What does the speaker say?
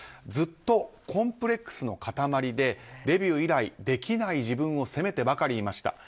ずっとコンプレックスの塊でデビュー以来、できない自分を責めてばかりいました。